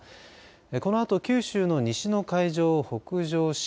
このあと九州の西の海上を北上し